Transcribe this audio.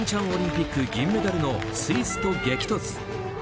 オリンピック銀メダルのスイスと激突。